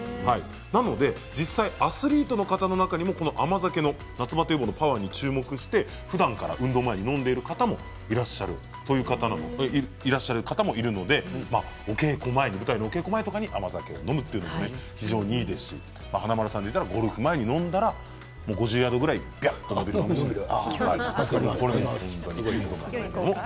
なので実際アスリートの方の中にも甘酒の夏バテ予防のパワーに注目してふだんから運動を前に飲んでいる方もいるので舞台のお稽古前とかに甘酒を飲むというのも非常にいいですし華丸さんだったらゴルフ前に飲んだら５０ヤードぐらい助かります。